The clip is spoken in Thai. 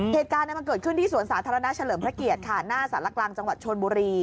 เหตุการณ์มันเกิดขึ้นที่สวนสาธารณะเฉลิมพระเกียรติค่ะหน้าสารกลางจังหวัดชนบุรี